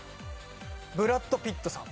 ブラッド・ピットさん。